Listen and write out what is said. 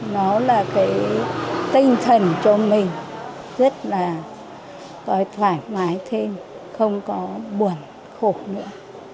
nó là cái tinh thần cho mình rất là thoải mái thêm không có buồn khổ nữa